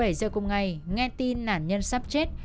một mươi bảy h cùng ngày nghe tin nạn nhân sắp chết